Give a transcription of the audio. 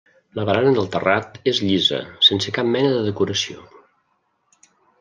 La barana del terrat és llisa, sense cap mena de decoració.